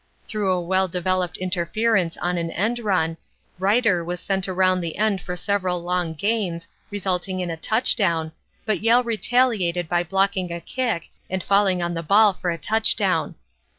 Through a well developed interference on an end run, Reiter was sent around the end for several long gains, resulting in a touchdown, but Yale retaliated by blocking a kick and falling on the ball for a touchdown.